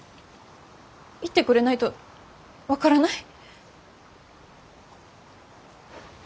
言ってくれないと分からない。